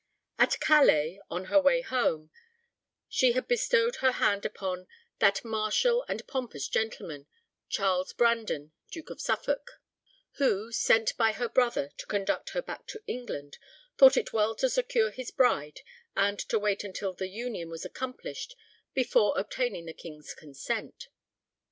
At Calais, on her way home, she had bestowed her hand upon "that martial and pompous gentleman," Charles Brandon, Duke of Suffolk, who, sent by her brother to conduct her back to England, thought it well to secure his bride and to wait until the union was accomplished before obtaining the King's consent.